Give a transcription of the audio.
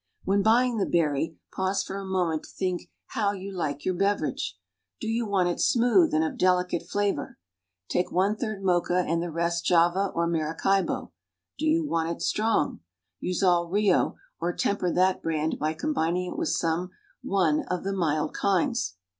When buying the berry, pause for a moment to think how you like your beverage. Do you want it smooth and of delicate flavor? Take one third Mocha and the rest Java or Maracaibo. Do you want it strong? Use all Rio, or temper that brand by combining it with some one of the mild kinds.